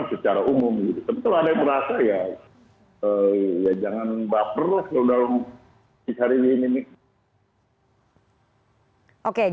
tapi kalau ada yang merasa ya ya jangan baperlah selalu selalu